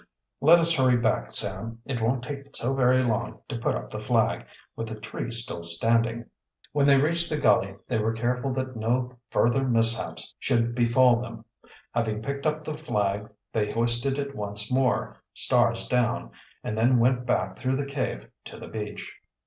"Let us hurry back, Sam. It won't take so very long to put up the flag, with the tree still standing." When they reached the gully they were careful that no further mishaps should befall them. Having picked up the flag they hoisted it once more, stars down, and then went back through the cave to the beach.